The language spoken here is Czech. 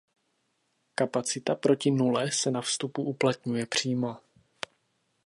Kapacita proti nule se na vstupu uplatňuje přímo.